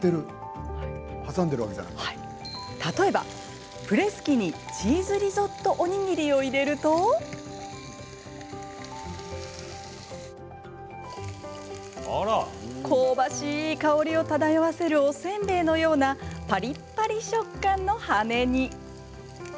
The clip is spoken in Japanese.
例えばプレス機にチーズリゾットおにぎりを入れると香ばしい香りを漂わせるおせんべいのようなパリパリ食感の羽根に。